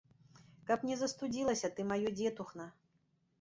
Каб не застудзілася ты, маё дзетухна.